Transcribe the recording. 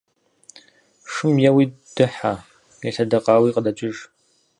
Шым еуи дыхьэ, елъэдэкъауи къыдэкӏыж.